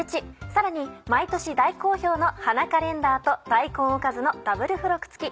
さらに毎年大好評の花カレンダーと大根おかずのダブル付録付き。